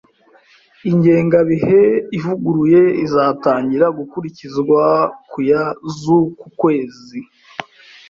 Ingengabihe ivuguruye izatangira gukurikizwa ku ya z'uku kwezi.